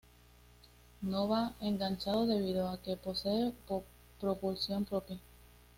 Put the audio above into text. No va enganchado debido a que posee propulsión propia.